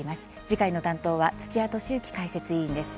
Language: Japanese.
次回の担当は土屋敏之解説委員です。